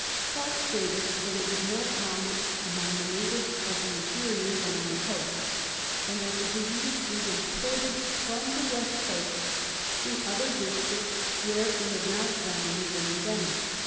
Clarke stated that it was more common among the natives of the interior than on the coast, and that the disease was imported from the West Coast to other districts where it had not formerly been endemic.